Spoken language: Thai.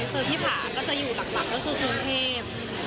คือพี่ผาก็จะอยู่หลักก็คือกรุงเทพ